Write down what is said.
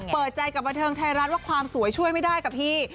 เปิดใจกับบันเทิงไทยรัฐว่าความสวยช่วยไม่ได้กับพี่